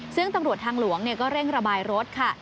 ซึ่งตำรวจทางหลวงก็เร่งระบายรถค่ะ